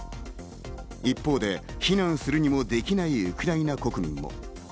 一方で避難するにもできないウクライナ国民も。